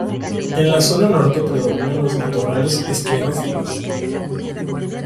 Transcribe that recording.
En la zona norte predominan los matorrales esclerófilos.